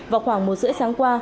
vào khoảng một giờ sáng qua